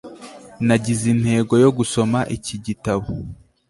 nagize intego yo gusoma iki gitabo